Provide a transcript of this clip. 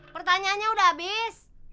pertanyaannya udah abis